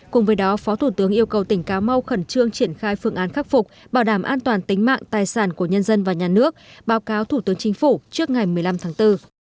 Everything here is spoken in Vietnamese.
cùng với đó phó thủ tướng yêu cầu tỉnh cà mau khẩn trương triển khai phương án khắc phục bảo đảm an toàn tính mạng tài sản của nhân dân và nhà nước báo cáo thủ tướng chính phủ trước ngày một mươi năm tháng bốn